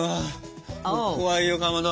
怖いよかまど。